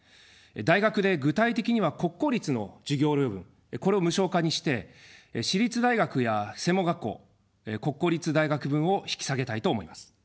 大学で具体的には国公立の授業料分、これを無償化にして、私立大学や専門学校、国公立大学分を引き下げたいと思います。